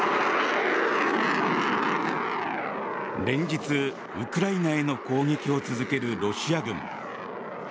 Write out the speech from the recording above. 連日、ウクライナへの攻撃を続けるロシア軍。